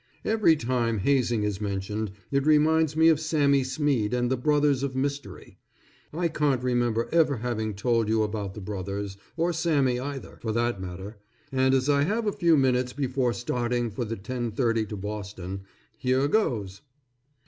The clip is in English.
Every time hazing is mentioned it reminds me of Sammy Smead and the Brothers of Mystery. I can't remember ever having told you about the Brothers, or Sammy either, for that matter, and as I have a few minutes before starting for the 10:30 to Boston, here goes!